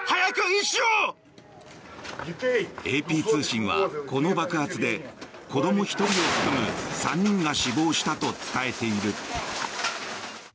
ＡＰ通信はこの爆発で子ども１人を含む３人が死亡したと伝えている。